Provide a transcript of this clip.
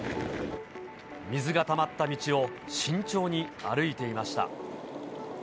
水がたまった道を慎重に歩いていました。